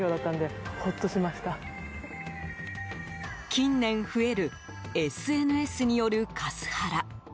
近年、増えるＳＮＳによるカスハラ。